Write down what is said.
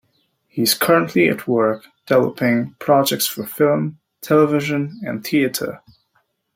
He is currently at work developing projects for film, television, and theater.